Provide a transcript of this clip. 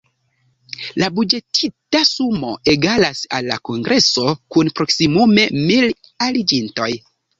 La buĝetita sumo egalas al kongreso kun proksimume mil aliĝintoj.